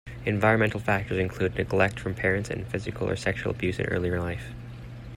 Environmental factors include neglect from parents and physical or sexual abuse in earlier life.